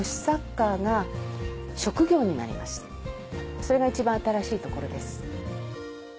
それが一番新しいところです。